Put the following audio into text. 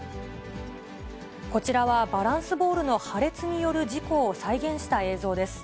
こちらはバランスボールの破裂による事故を再現した映像です。